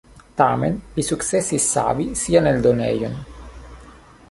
Tamen li sukcesis savi sian eldonejon.